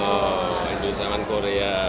oh indonesia lawan korea